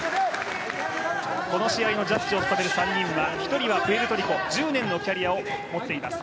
この試合のジャッジを務める３人は１人はプエルトリコ１０年のキャリアを持っています。